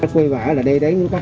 huyện đài lộc tây nguyên